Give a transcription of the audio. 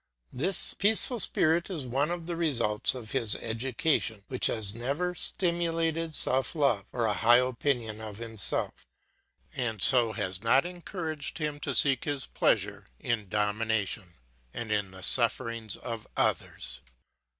This peaceful spirit is one of the results of his education, which has never stimulated self love or a high opinion of himself, and so has not encouraged him to seek his pleasure in domination and in the sufferings of others.